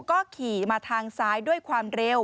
ก็ขี่มาทางซ้ายด้วยความเร็ว